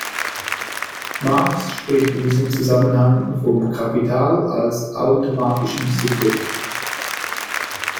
Marx spricht in diesem Zusammenhang vom Kapital als „automatischem Subjekt“.